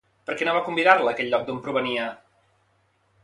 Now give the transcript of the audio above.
Per què no va convidar-la a aquell lloc d'on provenia?